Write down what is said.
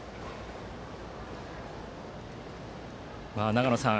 長野さん